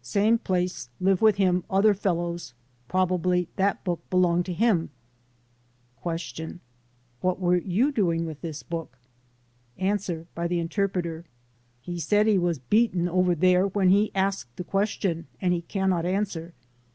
"Same place live with him other fellows. Probably that book belonged to him." Q. "What were you doing with this book?" A. (By the interpreter.) "He said he was beaten over there when he was asked the question and he cannot answer.